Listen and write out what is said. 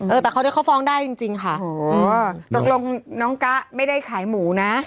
แต่เขาจะเข้าฟ้องได้จริงจริงค่ะโหตกลงน้องกะไม่ได้ขายหมูนะ